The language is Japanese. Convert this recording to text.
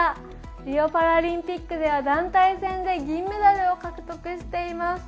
リオパラリンピックでは団体戦で銀メダルを獲得しています。